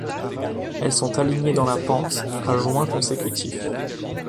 Elles sont alignée dans la pente, à joints consécutifs.